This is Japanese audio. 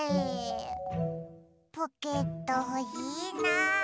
ポケットほしいな。